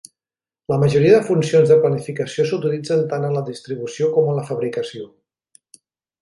La majoria de funcions de planificació s'utilitzen tant en la distribució com en la fabricació.